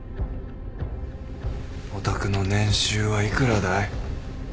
お宅の年収は幾らだい？